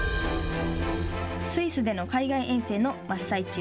スイスでの海外遠征の真っ最中。